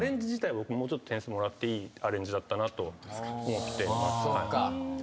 僕もうちょっと点数もらっていいアレンジだったなと思って。